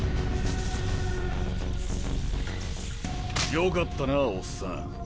よかったなぁおっさん。